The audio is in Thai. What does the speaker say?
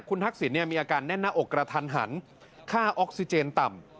คุณทักษิณมีอาการแน่นหน้าอกกระทันหันค่าออกซิเจนต่ำ